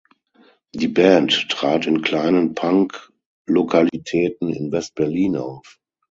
Die Band trat in kleinen Punk-Lokalitäten in West-Berlin auf.